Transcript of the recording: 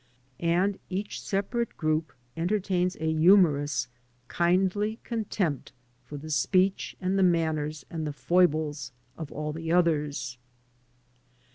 And each separate group entertains a humorous, kindly contempt for the speech and the manners and the foibles of all the others.